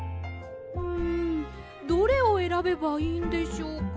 んどれをえらべばいいんでしょうか。